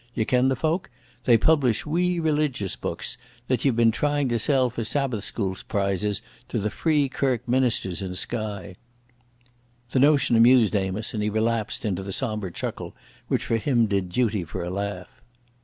Ye ken the folk? They publish wee releegious books, that ye've bin trying to sell for Sabbath school prizes to the Free Kirk ministers in Skye." The notion amused Amos, and he relapsed into the sombre chuckle which with him did duty for a laugh.